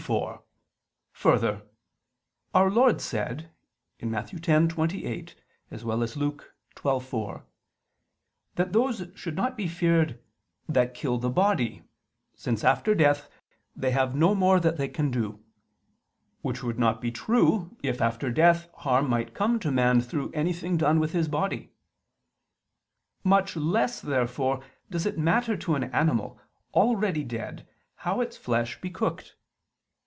4: Further, Our Lord said (Matt. 10:28; cf. Luke 12:4), that those should not be feared "that kill the body," since after death they "have no more that they can do": which would not be true if after death harm might come to man through anything done with his body. Much less therefore does it matter to an animal already dead how its flesh be cooked.